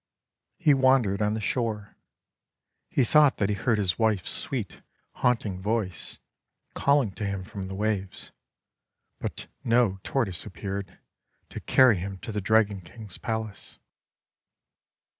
He wandered on the shore. He thought that he heard his wife's sweet, haunting voice calling to him from the waves, but no Tortoise appeared to carry him to the Dragon King's palace.